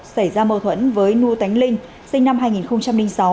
xảy ra mâu thuẫn với nu tánh linh sinh năm hai nghìn sáu